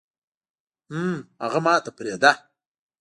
حم اغه ماته پرېده.